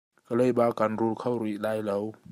Ka leiba kan rul kho rih lai lo.